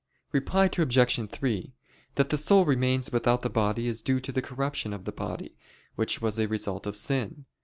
Reply Obj. 3: That the soul remains without the body is due to the corruption of the body, which was a result of sin.